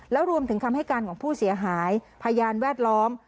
แล้วรวมถึงคำให้การของผู้เสียหายพยานแวดล้อม